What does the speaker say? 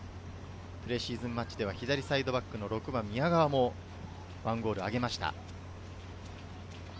プレシーズンマッチでは左サイドバックの宮川も１ゴールを挙げました。